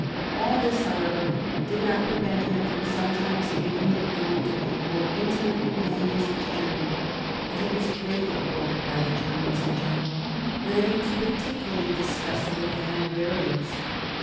All this, however, did not prevent him from sometimes making it known to the more intimate companions of his journey that he was greatly bored by the Germans in general, and that he was particularly disgusted with the Hanoverians.